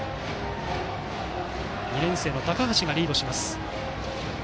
２年生の高橋がリードします。